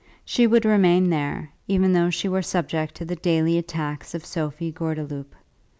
She would remain there, even though she were subject to the daily attacks of Sophie Gordeloup.